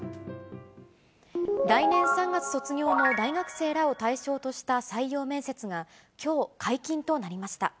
来年３月卒業の大学生らを対象とした採用面接が、きょう解禁となりました。